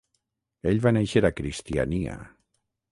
Ell va néixer a Kristiania.